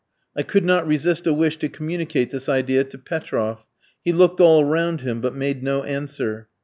I could not resist a wish to communicate this idea to Petroff. He looked all round him, but made no answer.